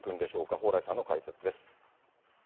蓬莱さんの解説です。